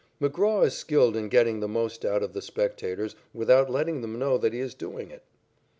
McGraw is skilled in getting the most out of the spectators without letting them know that he is doing it.